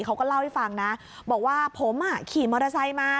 เขาก็เล่าให้ฟังนะบอกว่าผมขี่มอเตอร์ไซค์มา